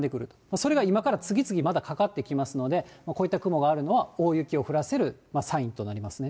それが今から次々まだかかってきますので、こういった雲があるのは、大雪を降らせるサインとなりますね。